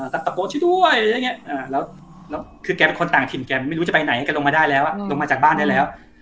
ตะโกชิด้วยแล้วแกเป็นคนต่างถิ่นแกไม่รู้จะไปไหนลงมาจากบ้านได้แล้ว